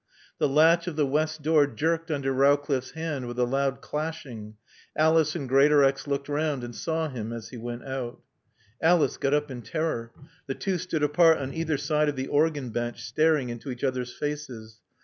The latch of the west door jerked under Rowcliffe's hand with a loud clashing. Alice and Greatorex looked round and saw him as he went out. Alice got up in terror. The two stood apart on either side of the organ bench, staring into each other's faces.